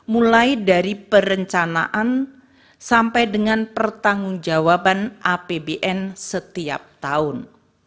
mulai dari perencanaan sampai dengan pertanggung jawaban apbn setiap tahun